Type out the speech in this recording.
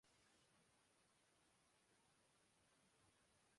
یہاں ایک اشتباہ کا ازالہ ضروری ہے۔